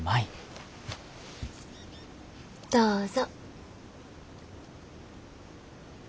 どうぞ。